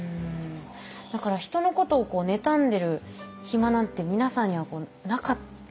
だから人のことを妬んでる暇なんて皆さんにはなかったってことですよね。